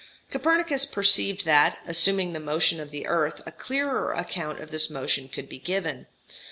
Copernicus perceived that, assuming the motion of the earth, a clearer account of this motion could be given.